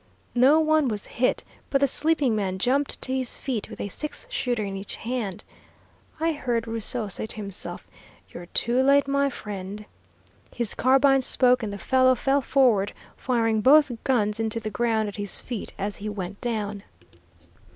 No one was hit, but the sleeping man jumped to his feet with a six shooter in each hand. I heard Rusou say to himself, 'You're too late, my friend.' His carbine spoke, and the fellow fell forward, firing both guns into the ground at his feet as he went down.